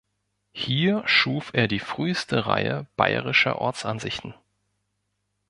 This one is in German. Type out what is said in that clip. Hier schuf er die früheste Reihe bayerischer Ortsansichten.